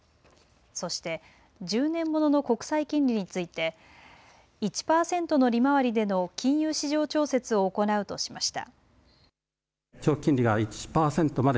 そして１０年ものの国債金利について１パーセントの利回りでの金融市場調節を行うとしました。